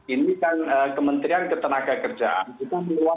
ini kan kementerian ketenagakerjaan